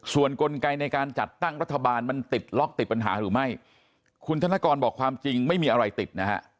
ส่วนกลไกในการจัดตั้งรัฐบาลมันติดล็อกติดปัญหาหรือไม่คุณธนกรบอกความจริงไม่มีอะไรติดนะฮะ